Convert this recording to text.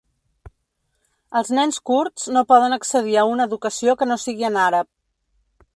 Els nens kurds no poden accedir a una educació que no sigui en àrab.